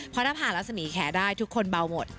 เพราะถ้าผ่านรัศมีแขได้ทุกคนเบาหมด